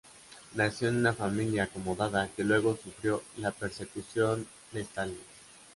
Nació en una familia acomodada, que luego sufrió la persecución de Stalin.